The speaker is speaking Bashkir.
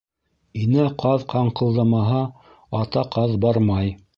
Инә ҡаҙ ҡаңҡылдамаһа, ата ҡаҙ бармай.